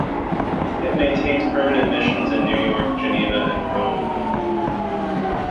It maintains permanent missions in New York, Geneva, and Rome.